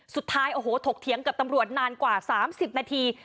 สุดท้ายโอ้โหถกเถียงกับตำรวจนานกว่า๓๐นาที